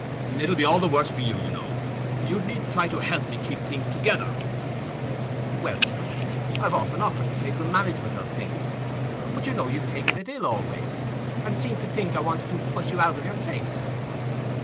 "It'll be all the worse for you, you know—you'd need try and help me keep things together." "Well, sir, I've often offered to take the management of things, but you know you've taken it ill always, and seemed to think I wanted to push you out of your place."